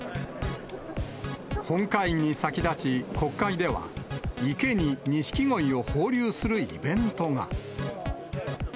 本会議に先立ち、国会では、池に錦鯉を放流するイベントが。